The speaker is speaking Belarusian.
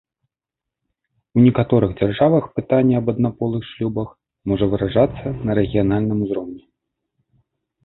У некаторых дзяржавах пытанне аб аднаполых шлюбах можа вырашацца на рэгіянальным узроўні.